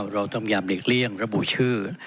เราต้องยามหลีกเลี่ยงรับบูชื่อ